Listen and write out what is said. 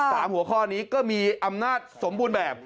หัวข้อนี้ก็มีอำนาจสมบูรณ์แบบ